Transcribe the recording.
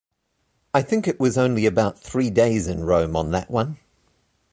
I think it was only about three days in Rome on that one.